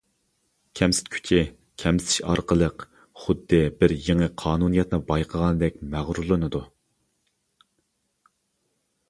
كەمسىتكۈچى كەمسىتىش ئارقىلىق خۇددى بىر يېڭى قانۇنىيەتنى بايقىغاندەك مەغرۇرلىنىدۇ.